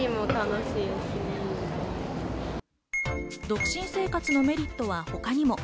独身生活のメリットは他にも。